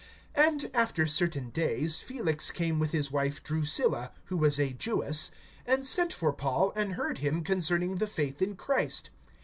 (24)And after certain days, Felix came with his wife Drusilla, who was a Jewess, and sent for Paul, and heard him concerning the faith in Christ.